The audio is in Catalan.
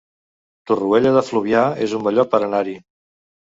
Torroella de Fluvià es un bon lloc per anar-hi